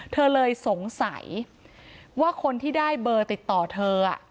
เธอเลยสงสัยว่าคนที่ได้เบอร์ติดต่อเธอ